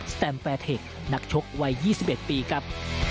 แตมแฟร์เทคนักชกวัย๒๑ปีครับ